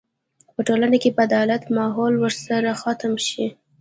په ټولنه کې به د عدالت ماحول ورسره ختم شي.